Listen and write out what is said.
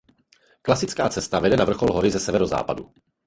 Klasická cesta vede na vrchol hory ze severozápadu.